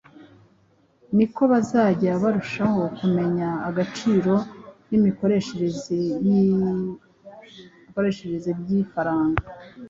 niko bazajya barushaho kumenya agaciro n’imikoreshereze by’ifaranga